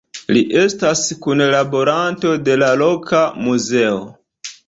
Li estas kunlaboranto de la loka muzeo.